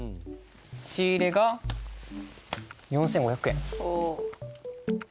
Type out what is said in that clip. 仕入が４，５００円。